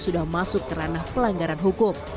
sudah masuk ke ranah pelanggaran hukum